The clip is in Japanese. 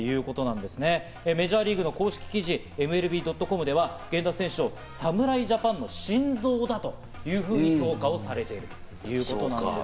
メジャーリーグの公式記事・ＭＬＢ．ｃｏｍでは、源田選手を侍ジャパンの心臓だというふうに評価されているということです。